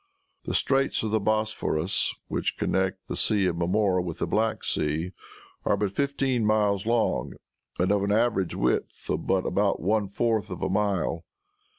The straits of the Bosporus, which connect the Sea of Marmora with the Black Sea, are but fifteen miles long and of an average width of but about one fourth of a mile.